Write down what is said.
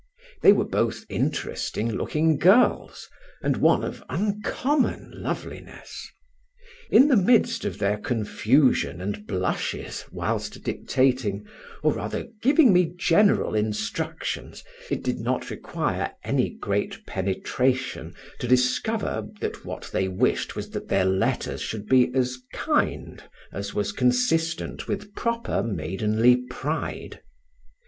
They were both interesting looking girls, and one of uncommon loveliness. In the midst of their confusion and blushes, whilst dictating, or rather giving me general instructions, it did not require any great penetration to discover that what they wished was that their letters should be as kind as was consistent with proper maidenly pride.